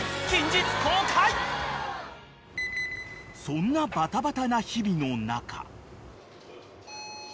［そんなバタバタな日々の中］